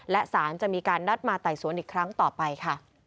และสารจะมีการนัดมาไต่สวนอีกครั้งต่อไปค่ะ